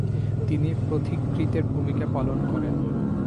তিনি পথিকৃতের ভূমিকা পালন করেন।